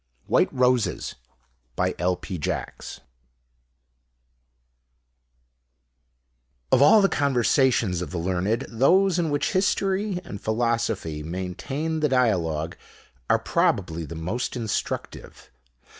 WHITE ROSES Of all the conversations of the learned, those in which History and Philosophy maintain the dialogue are probably the most instructive.